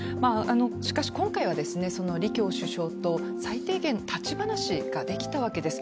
しかし今回は李強首相と最低限立ち話ができたわけです。